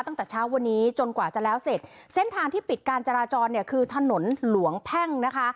ตั้งแต่เช้าวันนี้จนกว่าจะแล้วเสร็จเส้นทางที่ปิดการจราจรเนี่ยคือถนนหลวงแพ่งนะคะ